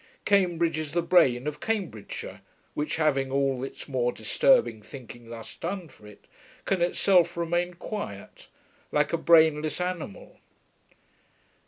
Cambridge is the brain of Cambridgeshire, which, having all its more disturbing thinking thus done for it, can itself remain quiet, like a brainless animal.